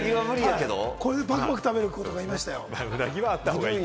これでバクバク食べる子とかいましたよ。